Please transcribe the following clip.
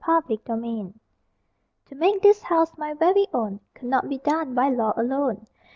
TAKING TITLE To make this house my very own Could not be done by law alone.